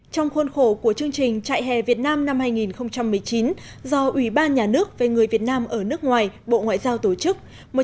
trong khuôn khổ của chương trình trại hè việt nam năm hai nghìn một mươi chín do ủy ban nhà nước về người việt nam ở nước ngoài bộ ngoại giao tổ chức